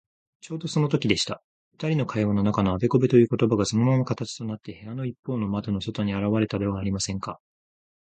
ちょうどそのときでした。ふたりの会話の中のあべこべということばが、そのまま形となって、部屋のいっぽうの窓の外にあらわれたではありませんか。